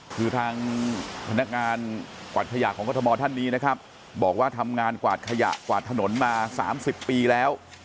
คือทางพนักงานกวาดขยะของกรทมท่านนี้นะครับบอกว่าทำงานกวาดขยะกวาดถนนมา๓๐ปีแล้ว